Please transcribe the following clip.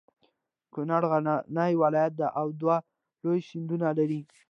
کنړ غرنی ولایت ده او دوه لوی سیندونه لري.